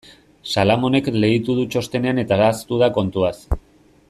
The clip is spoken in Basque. Salamonek leitu du txostenean eta ahaztu da kontuaz.